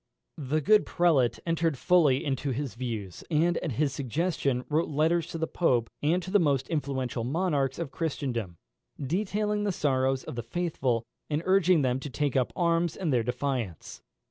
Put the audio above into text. The good prelate entered fully into his views, and, at his suggestion, wrote letters to the Pope, and to the most influential monarchs of Christendom, detailing the sorrows of the faithful, and urging them to take up arms in their defence.